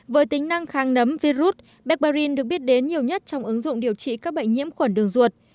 với tính năng kháng nấm virus barbarin được biết đến nhiều nhất trong ứng dụng điều trị các bệnh nhiễm khuẩn đường ruột